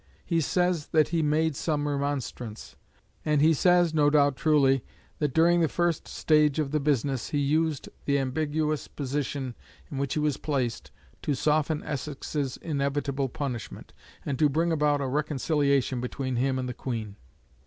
He says that he made some remonstrance; and he says, no doubt truly, that during the first stage of the business he used the ambiguous position in which he was placed to soften Essex's inevitable punishment, and to bring about a reconciliation between him and the Queen.